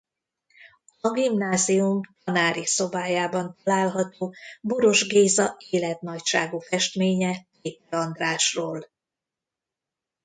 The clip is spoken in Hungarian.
A gimnázium tanári szobájában található Boross Géza életnagyságú festménye Péter Andrásról.